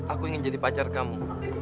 aku ingin jadi pacar kamu